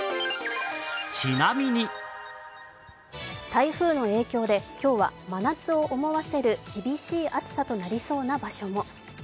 台風の影響で今日は真夏を思わせる厳しい暑さとなりそうな場所も。